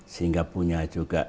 sehingga punya juga